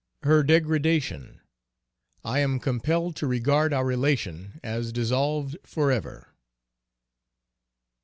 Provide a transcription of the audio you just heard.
Her degradation. I am compelled to regard our relation as dissolved forever.